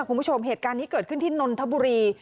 คุณผู้ชมเหตุการณ์นี้เกิดขึ้นที่นนทบุรี